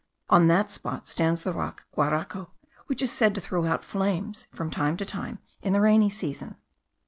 On that spot stands the rock Guaraco, which is said to throw out flames from time to time in the rainy season.